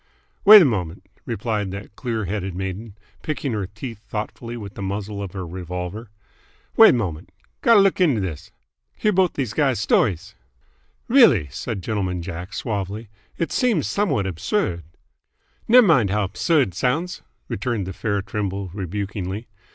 "Wait a mom'nt," replied that clear headed maiden, picking her teeth thoughtfully with the muzzle of her revolver. "Wait mom'nt. Gotta look 'nto this. Hear both these guys' st'ries." "Really," said Gentleman Jack suavely, "it seems somewhat absurd " "Ney' mind how 'bsurd 't sounds," returned the fair Trimble rebukingly.